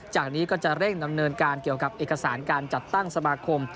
จากนี้ก็จะเร่งดำเนินการเกี่ยวกับเอกสารการจัดตั้งสมาคม